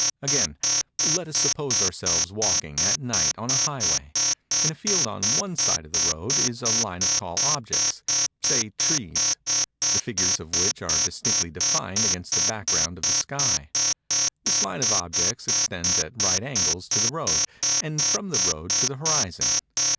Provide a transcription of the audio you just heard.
Again;—Let us suppose ourselves walking, at night, on a highway. In a field on one side of the road, is a line of tall objects, say trees, the figures of which are distinctly defined against the background of the sky. This line of objects extends at right angles to the road, and from the road to the horizon.